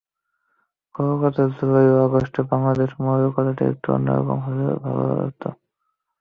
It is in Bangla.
কলকাতায় জুলাই-আগস্টে বাংলাদেশ মহলে কথাটা একটু অন্য রকম করে বলা হতো।